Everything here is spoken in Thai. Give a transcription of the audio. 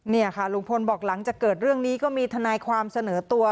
นี่ค่ะลุงพลบอกหลังจากเกิดเรื่องนี้ก็มีทนายความเสนอตัว